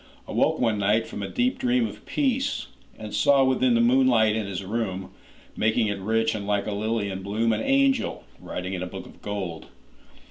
Awoke one night from a deep dream of peace, And saw—within the moonlight in his room, Making it rich and like a lily in bloom—An angel, writing in a book of gold.